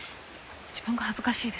自分が恥ずかしいです。